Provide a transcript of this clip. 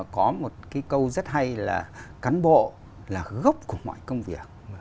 có một cái câu rất hay là cán bộ là gốc của mọi công việc